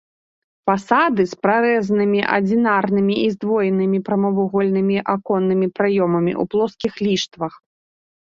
Фасады з прарэзанымі адзінарнымі і здвоенымі прамавугольнымі аконнымі праёмамі ў плоскіх ліштвах.